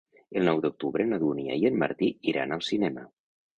El nou d'octubre na Dúnia i en Martí iran al cinema.